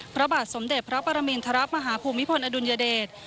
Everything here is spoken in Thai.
พระบาทสมเด็จพระปรมินทรมาฮภูมิพลอดุลยเดช